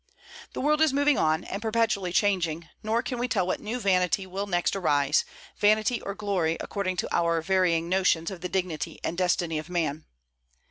The world is moving on and perpetually changing, nor can we tell what new vanity will next arise, vanity or glory, according to our varying notions of the dignity and destiny of man.